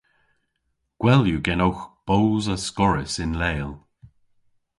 Gwell yw genowgh boos askorrys yn leel.